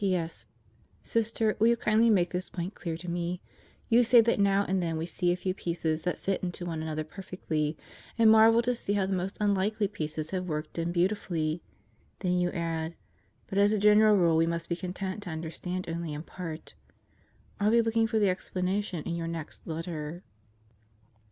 P.S. Sister, will you kindly make this point clear to me: You say that now and then we see a few pieces that fit into one another perfectly, and marvel to see how the most unlikely pieces have worked in beautifully. Then you add: "But as a general rule, we must be content to understand only in part." I'll be looking for the explanation in your next letter.